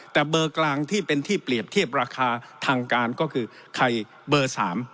แต่เบอร์กลางที่เป็นที่เปรียบเทียบราคาทางการก็คือไข่เบอร์๓